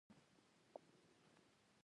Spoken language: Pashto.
زه هره ورځ اخبار نه ګورم.